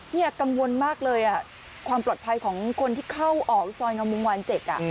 เนี้ยกังวลมากเลยอ่ะความปลอดภัยของคนที่เข้าออกซอยงามุงวันเจ็ดอ่ะ